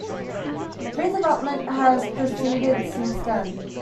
Redevelopment has proceeded since then.